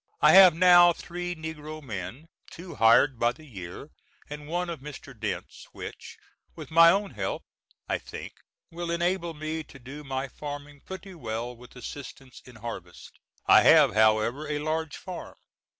I have now three negro men, two hired by the year and one of Mr. Dent's, which, with my own help, I think, will enable me to do my farming pretty well with assistance in harvest. I have however a large farm.